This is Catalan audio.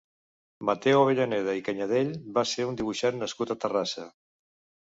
Mateu Avellaneda i Canyadell va ser un dibuixant nascut a Terrassa.